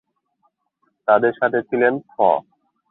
তাদের সাথে ছিলেন ফ।